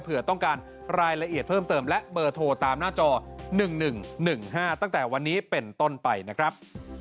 เพื่อต้องการรายละเอียดเพิ่มเติมและเบอร์โทรตามหน้าจอ๑๑๑๑๕ตั้งแต่วันนี้เป็นต้นไปนะครับ